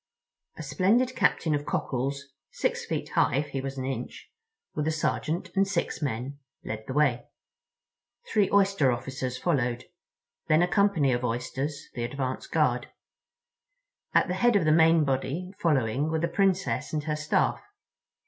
A splendid captain of Cockles, six feet high if he was an inch, with a sergeant and six men, led the way. Three Oyster officers followed, then a company of Oysters, the advance guard. At the head of the main body following were the Princess and her Staff.